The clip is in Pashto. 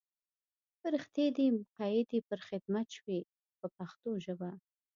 فرښتې دې مقیدې پر خدمت شوې په پښتو ژبه.